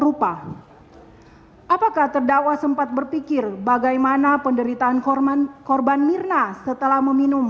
rupa apakah terdakwa sempat berpikir bagaimana penderitaan korban korban mirna setelah meminum